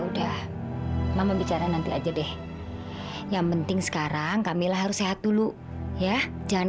udah mama bicara nanti aja deh yang penting sekarang kamilah harus sehat dulu ya jangan